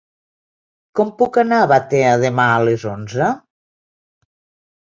Com puc anar a Batea demà a les onze?